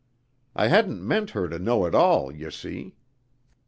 I hadn't meant her to know at all, you see."